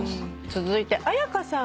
続いて絢香さん